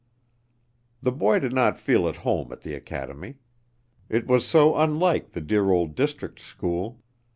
The boy did not feel at home at the academy. It was so unlike the dear old district school.